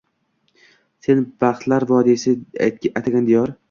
Sen baxtlar vodiysi atagan diyor